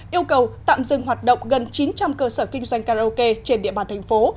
yêu cầu tạm dừng hoạt động gần chín trăm linh cơ sở kinh doanh karaoke trên địa bàn thành phố